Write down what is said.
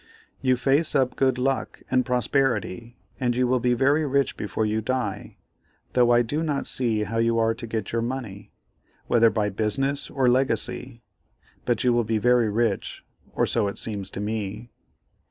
You face up good luck and prosperity, and you will be very rich before you die, though I do not see how you are to get your money, whether by business or legacy; but you will be very rich, or so it seems to me.